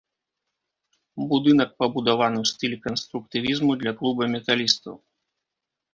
Будынак пабудаваны ў стылі канструктывізму для клуба металістаў.